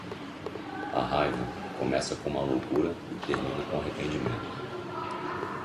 A raiva começa com uma loucura e termina com arrependimento.